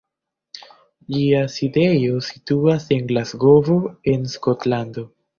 Ĝia sidejo situas en Glasgovo, en Skotlando.